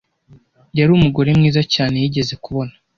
Yari umugore mwiza cyane yigeze kubona.